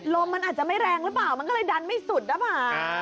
ลมมันอาจจะไม่แรงหรือเปล่ามันก็เลยดันไม่สุดหรือเปล่า